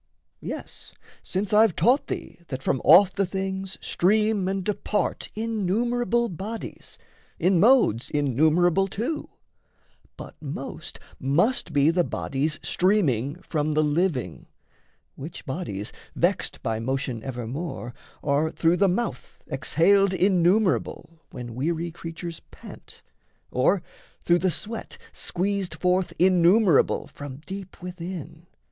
Yes, since I've taught thee that from off the things Stream and depart innumerable bodies In modes innumerable too; but most Must be the bodies streaming from the living Which bodies, vexed by motion evermore, Are through the mouth exhaled innumerable, When weary creatures pant, or through the sweat Squeezed forth innumerable from deep within.